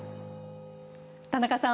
田中さん